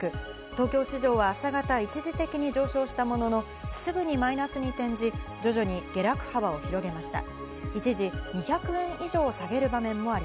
東京市場は朝方、一時的に上昇したものの、すぐにマイナスに転じ、徐々に下落幅を広げました。